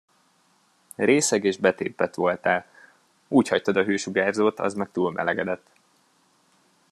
Részeg és betépett voltál. Úgy hagytad a hősugárzót, az meg túlmelegedett.